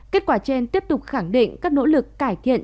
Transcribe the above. kết quả trên tiếp tục khẳng định các nỗ lực cải thiện